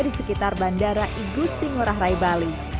di sekitar bandara igusti ngurah rai bali